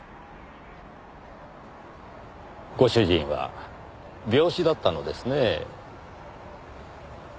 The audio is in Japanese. ご主人は病死だったのですね。